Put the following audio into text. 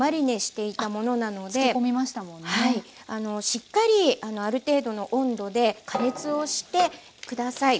しっかりある程度の温度で加熱をして下さい。